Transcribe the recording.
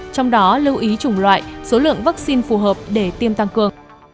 trong đó lưu ý chủng loại số lượng vaccine phù hợp để tiêm tăng cường